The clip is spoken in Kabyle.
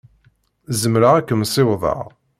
Zemreɣ ad kem-ssiwḍeɣ.